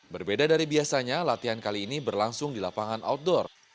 berbeda dari biasanya latihan kali ini berlangsung di lapangan outdoor